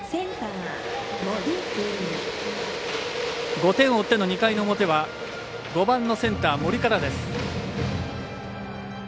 ５点を追っての２回の表は５番のセンター、森からです。